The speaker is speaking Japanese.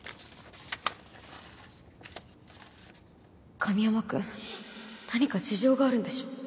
神山君何か事情があるんでしょ？